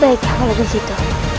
baiklah kalau begitu